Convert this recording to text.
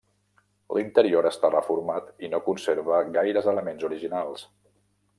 L'interior està reformat i no conserva gaires elements originals.